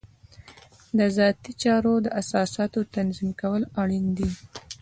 د ذاتي چارو د اساساتو تنظیم کول اړین دي.